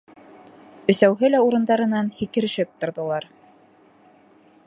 Өсәүһе лә урындарынан һикерешеп торҙолар.